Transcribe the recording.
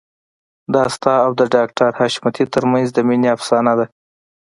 دا ستا او د ډاکټر حشمتي ترمنځ د مينې افسانه ده